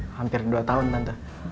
hampir dua tahun nanti